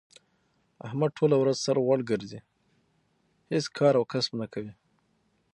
احمد ټوله ورځ سر غوړ ګرځی، هېڅ کار او کسب نه کوي.